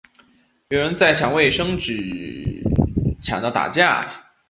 有人在抢卫生纸抢到打架